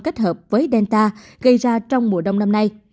kết hợp với delta gây ra trong mùa đông năm nay